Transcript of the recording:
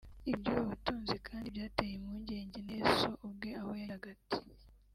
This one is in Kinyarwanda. Iby’ubu butunzi kandi byateye impungenge na Yesu ubwe aho yagiraga ati